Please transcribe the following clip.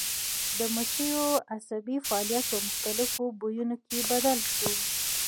د مچیو عصبي فعالیت په مختلفو بویونو کې بدل شو.